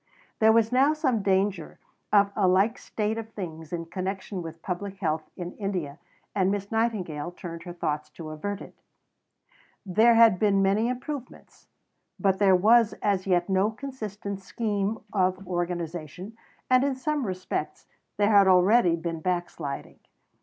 There was now some danger of a like state of things in connection with Public Health in India, and Miss Nightingale turned her thoughts to avert it. There had been many improvements; but there was as yet no consistent scheme of organization, and in some respects there had already been backsliding.